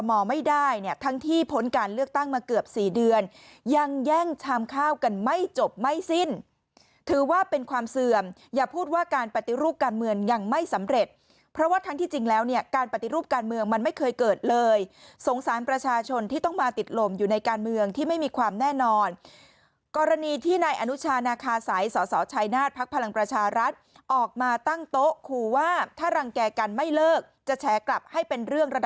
มีความเสื่อมอย่าพูดว่าการปฏิรูปการเมืองยังไม่สำเร็จเพราะว่าทั้งที่จริงแล้วเนี่ยการปฏิรูปการเมืองมันไม่เคยเกิดเลยสงสารประชาชนที่ต้องมาติดลมอยู่ในการเมืองที่ไม่มีความแน่นอนกรณีที่นายอนุชานาคาสายสอสอชายนาฏพลังประชารัฐออกมาตั้งโต๊ะคู่ว่าถ้ารังแก่กันไม่เลิกจะแฉกลับให้เป็นเรื่อง